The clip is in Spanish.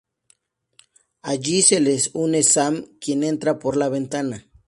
Allí se les une Sam, quien entra por la ventana.